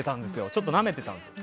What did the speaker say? ちょっとなめていたんですよ。